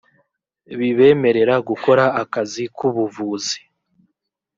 bibemerera gukora akazi k’ubuvuzi